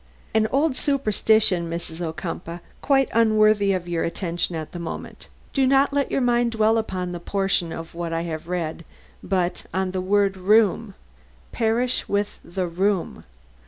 "An old superstition, Mrs. Ocumpaugh, quite unworthy your attention at this moment. Do not let your mind dwell upon that portion of what I have read, but on the word 'room'. 'Perish with the room!'